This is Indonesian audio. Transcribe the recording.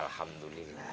ya kan aku tau